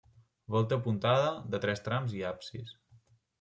Volta apuntada, de tres trams i absis.